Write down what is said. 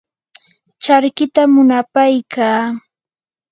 charkita munapaykaa.